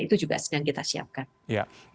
itu juga sedang kita siapkan